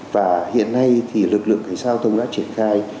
và hiện nay thì lực lượng cảnh sao thông đã triển khai